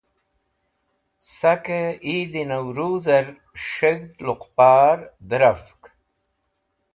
Sake Eid e Nauruz er S̃heghd Luqpar Dẽrafk